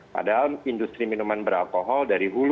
padahal industri minuman beralkohol dari hulu